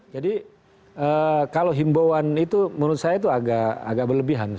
jadi kalau himbauan itu menurut saya agak berlebihan